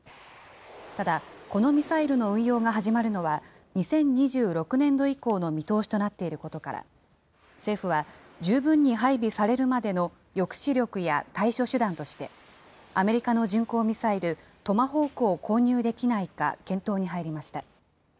ただ、このミサイルの運用が始まるのは２０２６年度以降の見通しとなっていることから、政府は、十分に配備されるまでの抑止力や対処手段として、アメリカの巡航ミサイル、トマホークを購入できないか、検討に入りました。